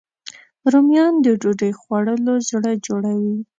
رومیان د ډوډۍ خوړلو زړه جوړوي